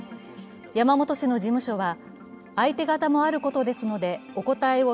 山本氏の事務所は、相手方もあることですのでお答えを